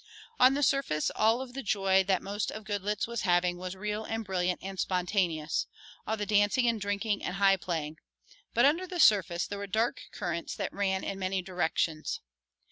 On the surface all of the joy that most of Goodloets was having was real and brilliant and spontaneous, all the dancing and drinking and high playing, but under the surface there were dark currents that ran in many directions.